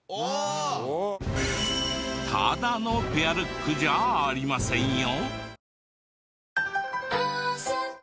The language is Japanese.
ただのペアルックじゃありませんよ。